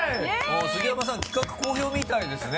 杉山さん企画好評みたいですね。